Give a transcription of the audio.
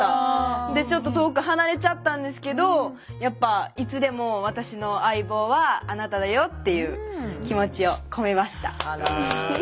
でちょっと遠く離れちゃったんですけどやっぱいつでも私の相棒はあなただよっていう気持ちを込めました。